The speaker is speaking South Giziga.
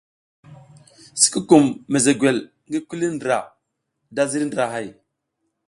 Sikukum mezegwel ngi kuli ndra da ziriy ndrahay.